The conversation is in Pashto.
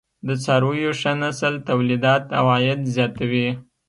د څارويو ښه نسل تولیدات او عاید زیاتوي.